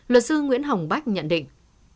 luật sư nguyễn hồng bách nhận định